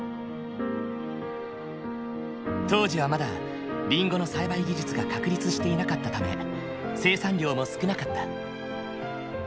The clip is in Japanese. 当時はまだりんごの栽培技術が確立していなかったため生産量も少なかった。